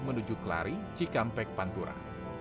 menuju kelari cikampek pantura